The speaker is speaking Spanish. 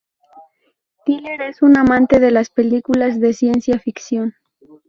Tiller es un amante de las películas de ciencia ficción.